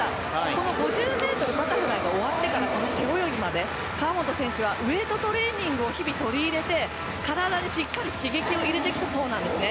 この５０ｍバタフライが終わってから背泳ぎまで川本選手はウェートトレーニングを日々取り入れて体にしっかり刺激を入れてきたそうなんですね。